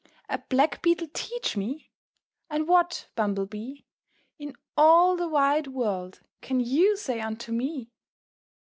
A Black Beetle teach me! And what, Bumble Bee, In all the wide world can you say unto me?